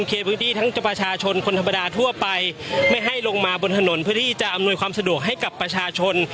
เคลียร์พื้นที่ทั้งประชาชนคนธรรมดาทั่วไปไม่ให้ลงมาบนถนนเพื่อที่จะอำนวยความสะดวกให้กับประชาชน